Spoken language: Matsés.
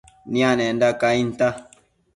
nianenda cainta